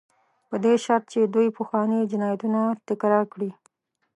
په دې شرط چې دوی پخواني جنایتونه تکرار نه کړي.